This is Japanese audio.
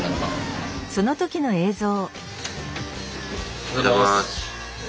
おはようございます。